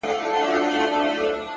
انسان د خپلو پټو انتخابونو نتیجه ده.